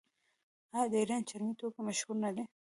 آیا د ایران چرمي توکي مشهور نه دي؟